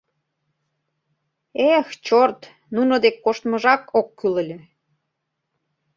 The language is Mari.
Эх, чорт, нуно дек коштмыжак ок кӱл ыле.